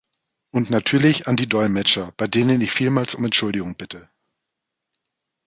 Und natürlich an die Dolmetscher, bei denen ich vielmals um Entschuldigung bitte.